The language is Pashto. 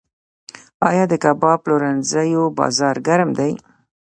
آیا د کباب پلورنځیو بازار ګرم دی؟